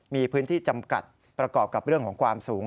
มีพื้นที่จำกัดประกอบกับเรื่องของความสูง